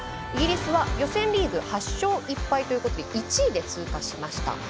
イギリスは予選リーグ８勝１敗ということで１位で通過しました。